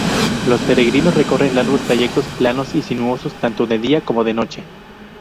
Los peregrinos recorren largos trayectos planos y sinuosos tanto de día como de noche.